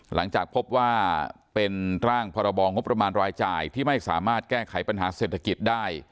หลังจากพบว่าเป็นร่างพรบงบประมาณรายจ่ายที่ไม่สามารถแก้ไขปัญหาเศรษฐกิจได้